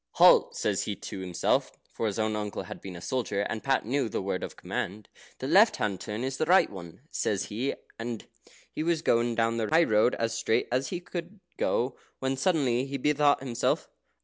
"Halt!" says he to himself (for his own uncle had been a soldier, and Pat knew the word of command). "The left hand turn is the right one," says he, and he was going down the high road as straight as he could go, when suddenly he bethought himself.